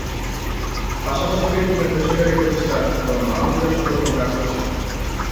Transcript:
পাশাপাশি বিভিন্ন বেসরকারী প্রতিষ্ঠান ও মানবাধিকার সংগঠন কাজ করছে।